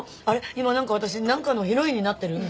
今なんか私なんかのヒロインになってる？みたいな。